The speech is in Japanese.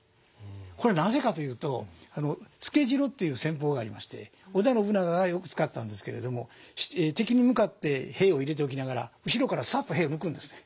これはなぜかというと付城という戦法がありまして織田信長がよく使ったんですけれども敵に向かって兵を入れておきながら後ろからサッと兵を抜くんですね。